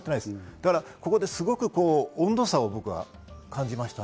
だからここですごく温度差を僕は感じましたね。